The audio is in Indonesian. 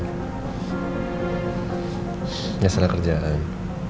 nggak salah kerjaan